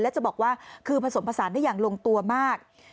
แล้วจะบอกว่าคือผสมผสานได้อย่างลงตัวมาก